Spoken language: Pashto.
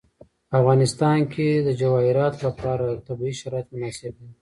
په افغانستان کې د جواهرات لپاره طبیعي شرایط مناسب دي.